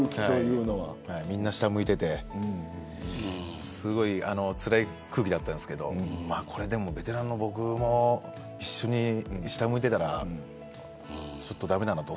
みんな下を向いていてすごい、つらい空気でしたけどこれ、でもベテランの僕も一緒に下を向いていたらちょっと駄目だなと。